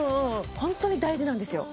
本当に大事なんですよ